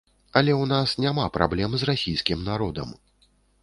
Але ў нас няма праблем з расійскім народам.